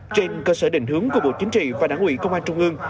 trên cơ sở định hướng của bộ chính trị và đảng ủy công an trung ương